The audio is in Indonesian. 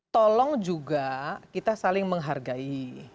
tolong juga kita saling menghargai